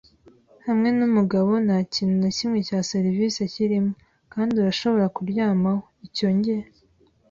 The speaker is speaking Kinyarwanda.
hamwe n'umugabo; nta kintu na kimwe cya serivisi kirimo, kandi urashobora kuryamaho. Icyo Njye